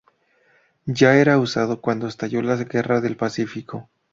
Ya era usado para cuando estalló la Guerra del Pacífico.